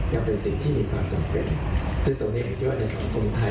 ยังเป็นสิ่งที่มีความจำเป็นซึ่งตรงนี้ผมคิดว่าในสังคมไทย